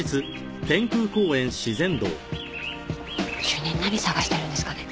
主任何探してるんですかね？